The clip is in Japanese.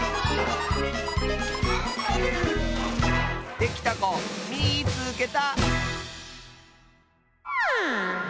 できたこみいつけた！